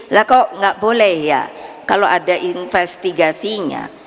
lah kok nggak boleh ya kalau ada investigasinya